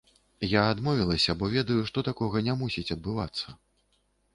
Я адмовілася, бо ведаю, што такога не мусіць адбывацца.